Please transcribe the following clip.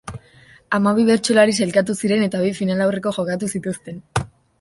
Hamabi bertsolari sailkatu ziren eta bi finalaurreko jokatu zituzten.